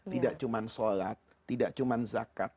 tidak cuman sholat tidak cuman zakat